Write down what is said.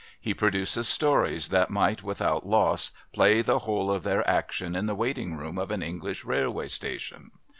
He produces stories that might without loss play the whole of their action in the waiting room of an English railway station.